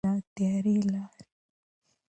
د تیارې لارې.